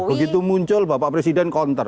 begitu muncul bapak presiden konter